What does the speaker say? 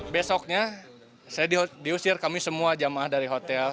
besoknya saya diusir kami semua jamaah dari hotel